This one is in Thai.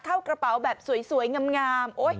เข้ากระเป๋าแบบสวยงาม